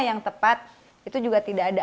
yang tepat itu juga tidak ada